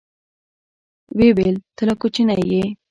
ويې ويل ته لا کوچنى يې.